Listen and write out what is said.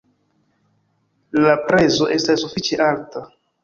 La prezo estas sufiĉe alta.